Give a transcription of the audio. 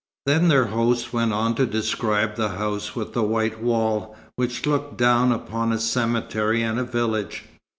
Then their host went on to describe the house with the white wall, which looked down upon a cemetery and a village.